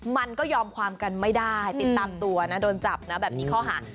มันก็ยอมความกันไม่ได้ติดตามตัวนะโดนจับนะแบบนี้ข้อหา